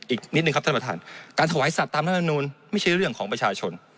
อีกนิดนึงครับท่านประธานการถวายสัตว์ตามรัฐมนูลไม่ใช่เรื่องของประชาชน